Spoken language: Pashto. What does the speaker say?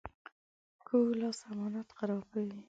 کوږ لاس امانت خرابوي